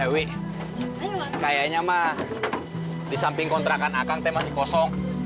ewi kayaknya mah disamping kontrakan akang teh masih kosong